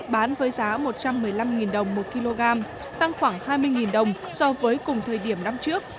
bán với giá một trăm một mươi năm đồng một kg tăng khoảng hai mươi đồng so với cùng thời điểm năm trước